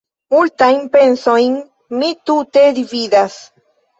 Multajn pensojn mi tute dividas.